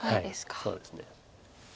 そうですね。